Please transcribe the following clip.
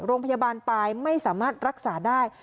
โรงพยาบาลปลายไม่สามารถรักษาได้